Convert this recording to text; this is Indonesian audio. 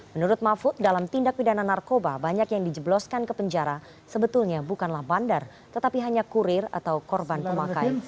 menurut mahfud dalam tindak pidana narkoba banyak yang dijebloskan ke penjara sebetulnya bukanlah bandar tetapi hanya kurir atau korban pemakai